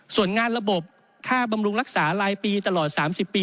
ส่วนงานระบบค่าบำรุงรักษารายปีตลอด๓๐ปี